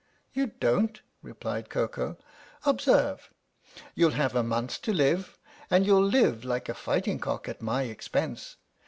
"You don't?" replied Koko. "Observe. You'll have a month to live and you'll live like a fighting cock at my expense.